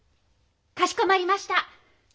かしこまりました。